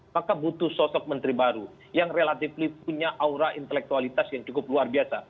maka butuh sosok menteri baru yang relatif punya aura intelektualitas yang cukup luar biasa